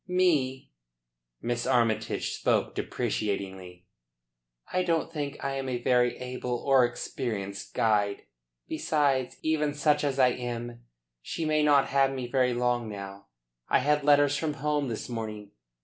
"Me?" Miss Armytage spoke deprecatingly. "I don't think I am a very able or experienced guide. Besides, even such as I am, she may not have me very long now. I had letters from home this morning.